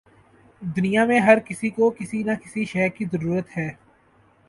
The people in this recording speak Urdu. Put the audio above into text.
دنیا میں ہر کسی کو کسی نہ کسی شے کی ضرورت ہے